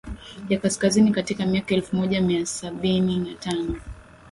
ya Kaskazini katika miaka elfumoja miasaba sabini nantano